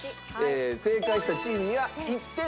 正解したチームには１点入ります。